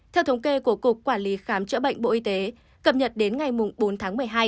theo thống kê của cục quản lý khám chữa bệnh bộ y tế cập nhật đến ngày bốn tháng một mươi hai